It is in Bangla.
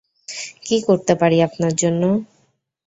কী করতে পারি আপনার জন্য?